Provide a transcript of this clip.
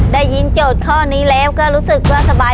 โจทย์ข้อนี้แล้วก็รู้สึกว่าสบาย